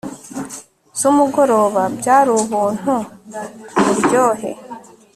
zumugoroba byari ubuntu kuburyohe